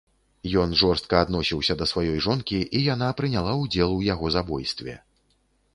Ён жорстка адносіўся да сваёй жонкі, і яна прыняла ўдзел у яго забойстве.